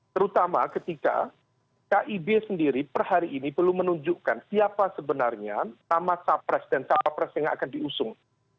terutama ketika kib sendiri per hari ini perlu menunjukkan siapa sebenarnya nama capres dan cawapres yang akan diusung